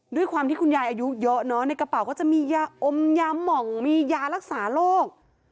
ด้วยความที่คุณยายอายุเยอะเนอะในกระเป๋าก็จะมียาอมยาหม่องมียารักษาโรค